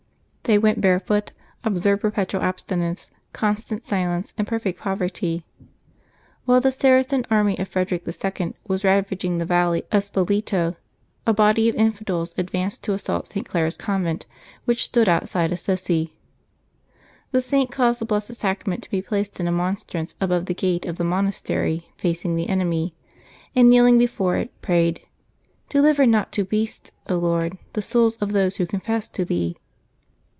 They went barefoot, observed perpetual abstinence, constant silence, and perfect poverty. While the Saracen army of Frederick 11. was ravaging the valley of Spoleto, a body of infidels advanced to assault St. Clare's convent, which stood outside Assisi. The Saint caused the Blessed Sacrament to be placed in a monstrance, above the gate of the monastery facing the enemy, and kneeling before it, prayed, " Deliver not to beasts, Lord, the souls of those who confess to Thee."